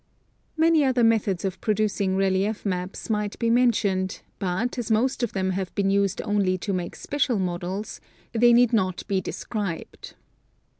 Many other methods of producing relief maps might be men tioned, but, as most of them have been used only to make special models, they need not be described.